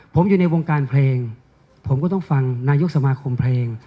ผมอยู่ในวงการเพลงผมก็ต้องฟังนายกสมาคมเพลง